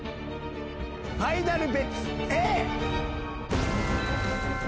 ファイナルベッツＡ！